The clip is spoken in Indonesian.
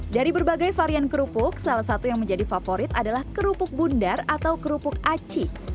dari berbagai varian kerupuk salah satu yang menjadi favorit adalah kerupuk bundar atau kerupuk aci